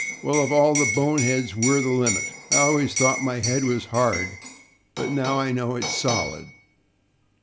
"Well, of all the boneheads we're the limit. I always thought my head was hard, but now I know it's solid.